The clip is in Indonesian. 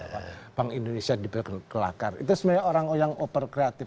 kalau bank indonesia dibuat kelakar itu sebenarnya orang orang yang oper kreatif